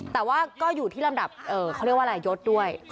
แต่ว่าก็อยู่ที่ลำดับเขาเรียกว่าอะไรยศด้วย